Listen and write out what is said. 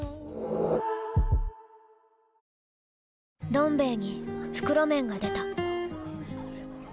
「どん兵衛」に袋麺が出た